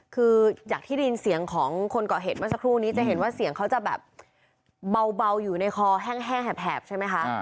คือจากที่ได้ยินเสียงของคนเกาะเหตุเมื่อสักครู่นี้จะเห็นว่าเสียงเขาจะแบบเบาอยู่ในคอแห้งแหบใช่ไหมคะ